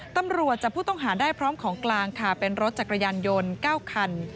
ตำรวจจับผู้ต้องหาได้พร้อมของกลางค่ะเป็นรถจักรยานยนต์๙คัน